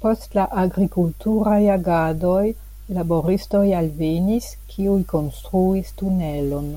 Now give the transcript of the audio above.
Post la agrikulturaj agadoj laboristoj alvenis, kiuj konstruis tunelon.